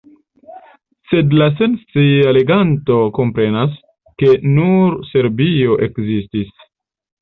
Sed la senscia leganto komprenas, ke nur Serbio ekzistis.